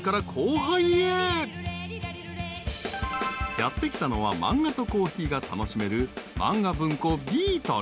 ［やって来たのは漫画とコーヒーが楽しめる］